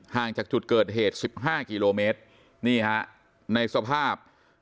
ห่างจากจุดเกิดเหตุสิบห้ากิโลเมตรนี่ฮะในสภาพ